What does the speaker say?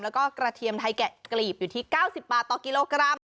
แล้วก็กระเทียมไทยแกะกลีบอยู่ที่๙๐บาทต่อกิโลกรัม